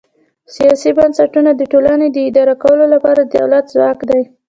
سیاسي بنسټونه د ټولنې د اداره کولو لپاره د دولت ځواک دی.